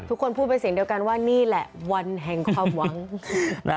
พูดเป็นเสียงเดียวกันว่านี่แหละวันแห่งความหวังนะ